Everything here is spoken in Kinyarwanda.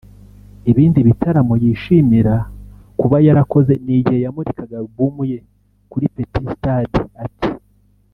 Ibindi bitaramo yishimira kuba yarakoze ni igihe yamurikaga Album ye kuri Petit Stade ati